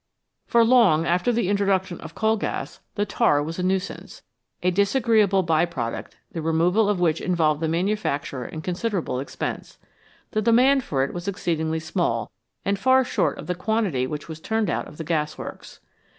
For long after the introduction of coal gas the tar was a nuisance, a disagreeable by product the removal of which involved the manufacturer in considerable expense. The demand for it was exceedingly small and far short of the quantity which was turned out of the gasworks.